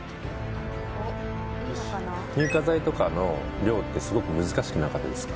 乳化剤とかの量ってすごく難しくなかったですか？